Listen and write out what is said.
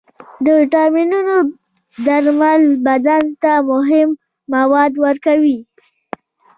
د ویټامینونو درمل بدن ته مهم مواد ورکوي.